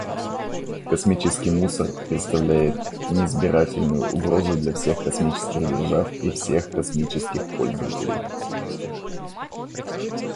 Космический мусор представляет неизбирательную угрозу для всех космических держав и всех космических пользователей.